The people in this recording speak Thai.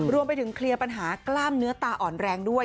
รวมไปถึงเคลียร์ปัญหากล้ามเนื้อตาอ่อนแรงด้วย